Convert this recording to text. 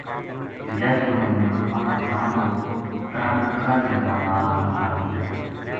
جوجاٹی ما محمد خان کھٹانو کو ترنڈ کھاہریاں کا مال ما رَل گیو